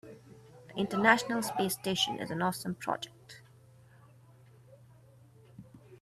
The international space station is an awesome project.